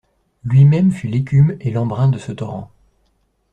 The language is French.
Lui-même fut l'écume et l'embrun de ce torrent.